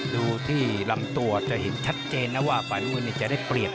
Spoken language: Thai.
ดูที่ลำตัวอาจจะเห็นชัดเจนนะว่าฝ่ายรุ่นนี้จะได้เปรียบ